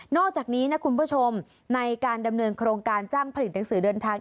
อกจากนี้นะคุณผู้ชมในการดำเนินโครงการจ้างผลิตหนังสือเดินทาง